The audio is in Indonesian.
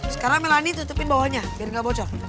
sekarang melani tutupin bawahnya biar gak bocor